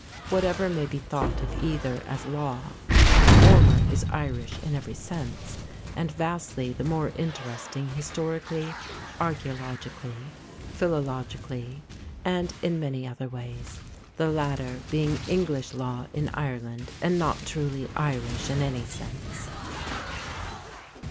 Whatever may be thought of either as law, the former is Irish in every sense, and vastly the more interesting historically, archaeologically, philologically, and in many other ways; the latter being English law in Ireland, and not truly Irish in any sense.